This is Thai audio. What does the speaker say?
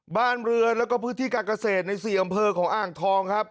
บ้านเรือนแล้วก็พื้นที่การเกษตรใน๔อำเภอของอ่างทองครับ